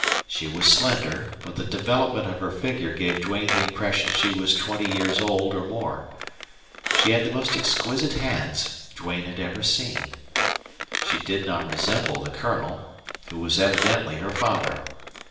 She was slender, but the development of her figure gave Duane the impression she was twenty years old or more. She had the most exquisite hands Duane had ever seen. She did not resemble the Colonel, who was evidently her father.